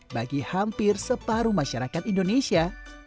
bagi hampir separuh masyarakat indonesia